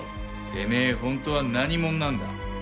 てめえ本当は何者なんだ？